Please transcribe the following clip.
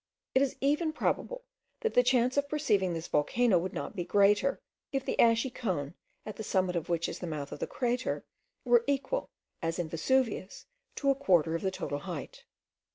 It is even probable, that the chance of perceiving this volcano would not be greater, if the ashy cone, at the summit of which is the mouth of the crater, were equal, as in Vesuvius, to a quarter of the total height.